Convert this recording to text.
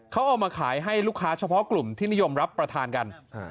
เขาเอามาขายให้ลูกค้าเฉพาะกลุ่มที่นิยมรับประทานกัน